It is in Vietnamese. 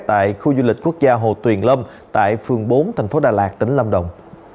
tại khu du lịch quốc gia hồ tuyền lâm tại phường bốn thành phố đà lạt tỉnh lâm đồng